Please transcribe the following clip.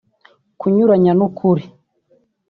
kunyuranya n’ ukuri